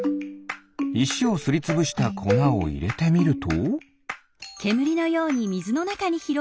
いしをすりつぶしたこなをいれてみると？